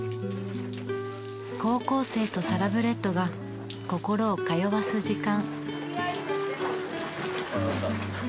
高校生とサラブレッドが心を通わす時間。